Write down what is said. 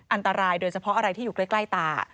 อันตรายโดยเฉพาะอะไรที่อยู่ใกล้ตา